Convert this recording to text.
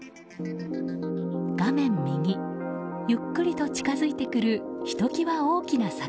画面右、ゆっくりと近づいてくるひときわ大きな魚。